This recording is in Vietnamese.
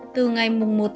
từ ngày một chín